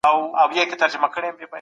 موږ به د ورورولۍ فضا رامنځته کړو.